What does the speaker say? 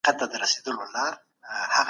دعا وکړئ.